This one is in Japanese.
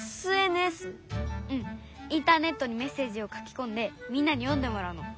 うんインターネットにメッセージを書きこんでみんなに読んでもらうの。